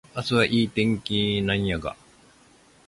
明日はいい天気なんやが